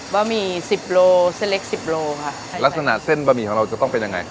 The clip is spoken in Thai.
บะหมี่สิบโลเส้นเล็กสิบโลค่ะลักษณะเส้นบะหมี่ของเราจะต้องเป็นยังไง